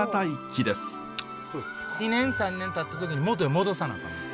２年３年たった時に元へ戻さなあかんのです。